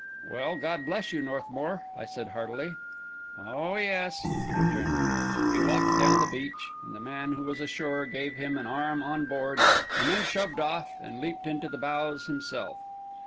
"Well, God bless you, Northmour!" I said heartily. "Oh, yes," he returned. He walked down the beach; and the man who was ashore gave him an arm on board, and then shoved off and leaped into the bows himself.